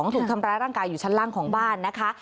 ถูกทำร้ายร่างกายอยู่ชั้นล่างของบ้านนะคะ